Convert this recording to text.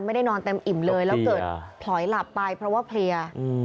นอนเต็มอิ่มเลยแล้วเกิดพลอยหลับไปเพราะว่าเพลีย